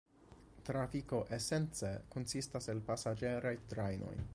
Trafiko esence konsistas el pasaĝeraj trajnoj.